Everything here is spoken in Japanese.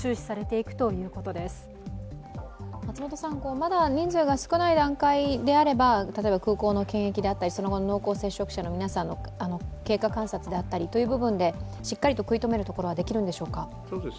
まだ人数が少ない段階であれば、例えば空港の検疫だったり濃厚接触者の皆さんの経過観察であったりという部分でしっかり食い止めることはできるんでしょうか？